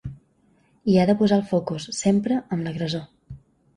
I ha de posar el focus, sempre, en l'agressor.